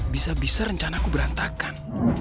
bisa bisa rencanaku berantakan